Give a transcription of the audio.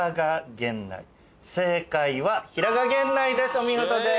お見事です。